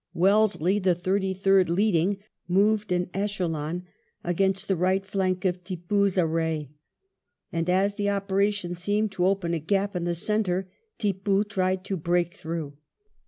Wellesley, the Thirty third leading, moved in echelon against the right flank of Tippoo's array, and as the operation seemed to open a gap in the centre, Tippoo tried to break through.